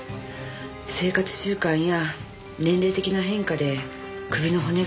生活習慣や年齢的な変化で首の骨が変形して。